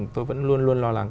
tôi vẫn luôn luôn lo lắng